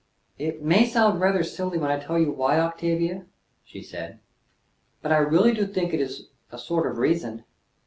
"It may sound rather silly when I tell you why, Octavia," she said; "but I really do think it is a sort of reason.